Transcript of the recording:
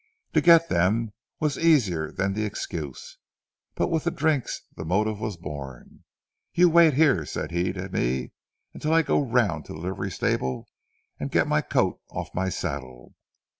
To get them was easier than the excuse; but with the drinks the motive was born. 'You wait here,' said he to me, 'until I go round to the livery stable and get my coat off my saddle.'